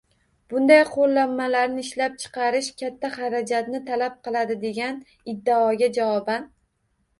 «Bunday qo‘llanmalarni ishlab chiqarish katta xarajatni talab qiladi» – degan iddaoga javoban